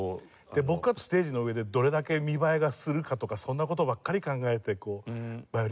僕はステージの上でどれだけ見栄えがするかとかそんな事ばっかり考えてヴァイオリン弾いてきたわけですよ。